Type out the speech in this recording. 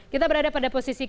kita berada pada posisi ketiga